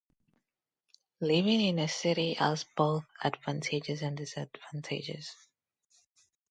Living in a city has both advantages and disadvantages.